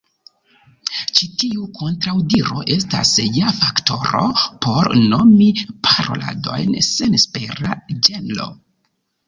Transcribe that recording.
Ĉi tiu kontraŭdiro estas ja faktoro por nomi paroladojn senespera ĝenro.